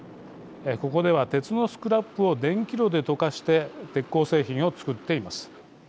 ここでは、鉄のスクラップを電気炉で溶かして鉄鋼製品を作っています。